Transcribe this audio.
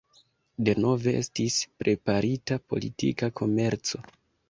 Denove estis preparita politika komerco.